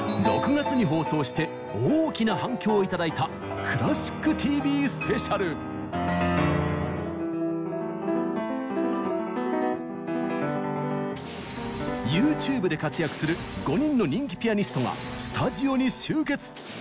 ６月に放送して大きな反響を頂いたＹｏｕＴｕｂｅで活躍する５人の人気ピアニストがスタジオに集結。